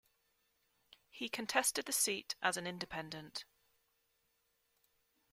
He contested the seat as an independent.